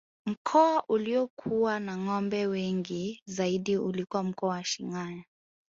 Mkoa uliokuwa na ngombe wengi zaidi ulikuwa mkoa wa Shinyanga